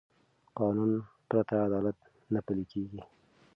قانون پرته عدالت نه پلي کېږي